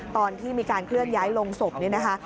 ตอนที่มีการเคลื่อนย้ายลงศพนี่นะคะ